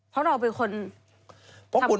เพราะเราเป็นคนทำความโอนผิดเอง